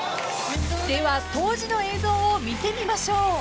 ［では当時の映像を見てみましょう］